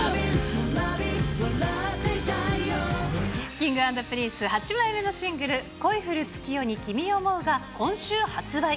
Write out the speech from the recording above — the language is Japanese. Ｋｉｎｇ＆Ｐｒｉｎｃｅ８枚目のシングル、恋降る月夜に君想ふが今週発売。